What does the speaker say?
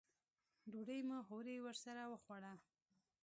ډوډۍ مو هورې ورسره وخوړله.